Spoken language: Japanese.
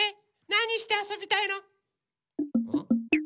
なにしてあそびたいの？